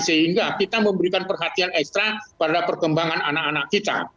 sehingga kita memberikan perhatian ekstra pada perkembangan anak anak kita